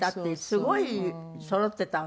すごいそろってた。